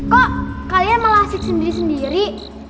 kok kalian malah asyik sendiri sendiri